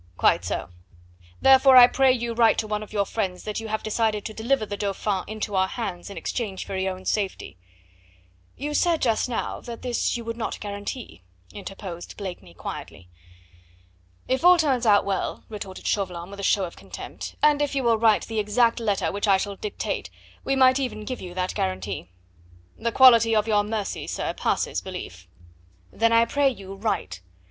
"Quite so. Therefore I pray you write to one of your friends that you have decided to deliver the Dauphin into our hands in exchange for your own safety." "You said just now that this you would not guarantee," interposed Blakeney quietly. "If all turns out well," retorted Chauvelin with a show of contempt, "and if you will write the exact letter which I shall dictate, we might even give you that guarantee." "The quality of your mercy, sir, passes belief." "Then I pray you write.